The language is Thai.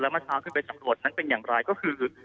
เมื่อเช้าขึ้นไปสำรวจนั้นเป็นอย่างไรก็คือ